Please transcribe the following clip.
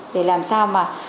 để làm sao mà